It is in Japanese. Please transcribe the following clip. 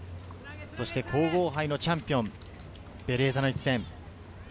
そして皇后杯のチャンピオン、ベレーザの一戦。